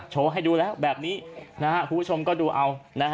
โชว์ให้ดูแล้วแบบนี้คุณผู้ชมก็ดูเอา